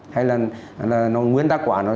hay là nguyên tác quả nó